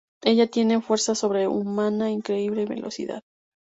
Ella tiene fuerza sobrehumana increíble y velocidad.